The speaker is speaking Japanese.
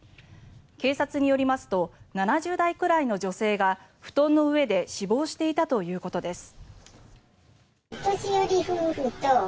警察によりますと７０代くらいの女性が布団の上で死亡していたということです。